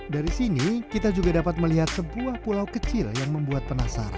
dari sini kita juga dapat melihat sebuah pulau kecil yang membuat penasaran